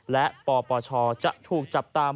และปปชจะถูกจับตาม